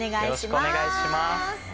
よろしくお願いします。